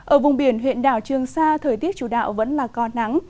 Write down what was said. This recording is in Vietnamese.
ở vùng biển huyện đảo trường sa thời tiết chủ đạo vẫn là có nắng